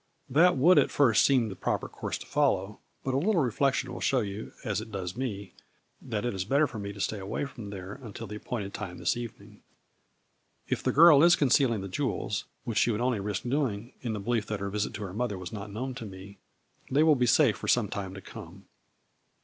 " That would at first seem the proper course to follow, but a little reflection will show you, as it does me, that it is better for me to stay away from there until the appointed time this evening. If the girl is concealing the jewels (which she would only risk doing in the belief that her visit to her mother was not known to me) they will be safe for some time to come.